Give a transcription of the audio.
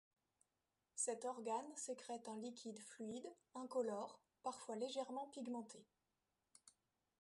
Cet organe sécrète un liquide fluide, incolore, parfois légèrement pigmenté.